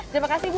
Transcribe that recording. terima kasih ibu